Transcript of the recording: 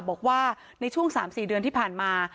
บอกว่าในช่วง๓๔เดือนที่ผ่านมา